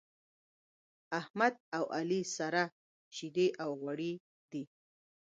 احمد او علي سره شيدې او غوړي دی.